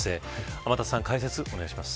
天達さん、解説をお願いします。